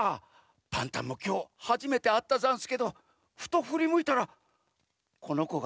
パンタンもきょうはじめてあったざんすけどふとふりむいたらこのこがこっちをみてたざんす。